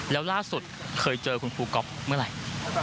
แล้วล่าสุดเคยเจอคุณครูก๊อฟเมื่อไหร่